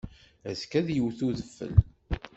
Azekka ad yewt udfel.